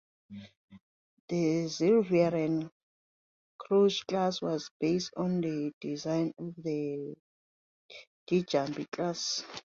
The Zilveren Kruis class was based on the design of the Djambi class.